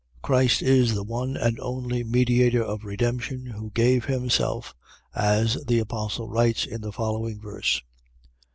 . .Christ is the one and only mediator of redemption, who gave himself, as the apostle writes in the following verse.